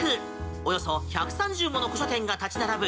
およそ１３０もの古書店が立ち並ぶ